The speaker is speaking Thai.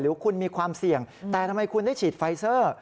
หรือคุณมีความเสี่ยงแต่ทำไมคุณได้ฉีดไฟเซอร์